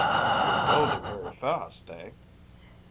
"You're building very fast, eh?"